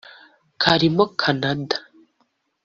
karimo Canada